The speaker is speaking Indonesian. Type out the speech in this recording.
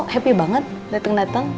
kok happy banget dateng dateng